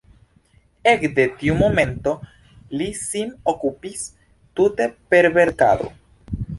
Ekde tiu momento li sin okupis tute per verkado.